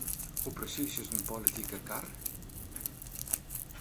Hoe presys is in politike kar.